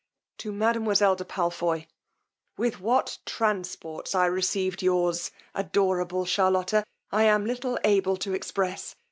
To mademoiseile DE PALFOY. "With what transports I received yours, adorable Charlotta, I am little able to express!